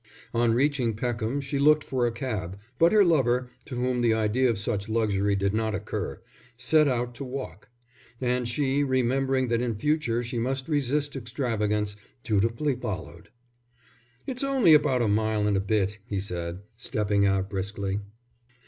On reaching Peckham she looked for a cab, but her lover, to whom the idea of such luxury did not occur, set out to walk; and she, remembering that in future she must resist extravagance, dutifully followed. "It's only about a mile and a bit," he said, stepping out briskly.